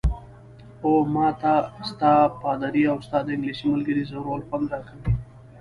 اوه، ما ته ستا، پادري او ستا د انګلیسۍ ملګرې ځورول خوند راکوي.